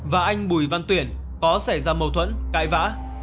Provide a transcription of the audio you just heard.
và anh bùi văn tuyển có xảy ra mâu thuẫn cãi vã